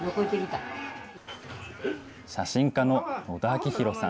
写真家の野田明宏さん